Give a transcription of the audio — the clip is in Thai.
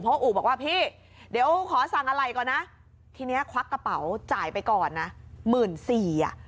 เพราะอู่บอกว่าพี่เดี๋ยวขอสั่งอะไรก่อนนะทีนี้ควักกระเป๋าจ่ายไปก่อนนะหมื่นสี่อ่ะ